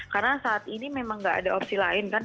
karena saat ini memang nggak ada opsi lain kan